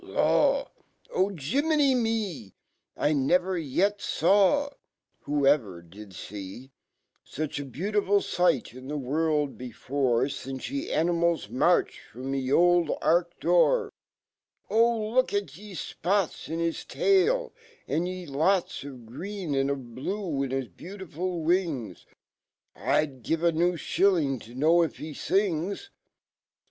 Lawl ,J jirnmeny rnel 1 never yet $awl \Vho ever did see Such abeautiful sight infheworld before, Since y e animals rr\arched./romy c oldark d O!Lookaty e fpots Inhistail! Andy lots Of green and of blue in his beautifu living I'd give a new Shilling to know if he ilngs